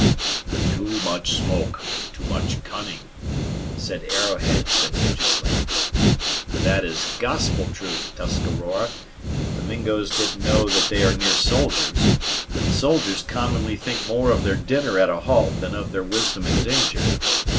"Too much smoke too much cunning," said Arrowhead sententiously. "That is gospel truth, Tuscarora, if the Mingoes didn't know that they are near soldiers; but soldiers commonly think more of their dinner at a halt than of their wisdom and danger.